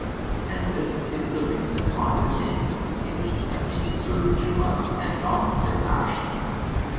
And this is the reason why the names of the ancients have been preserved to us and not their actions.